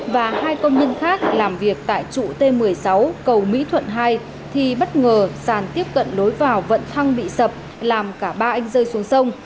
và hai công nhân khác làm việc tại trụ t một mươi sáu cầu mỹ thuận hai thì bất ngờ sàn tiếp cận lối vào vận thăng bị sập làm cả ba anh rơi xuống sông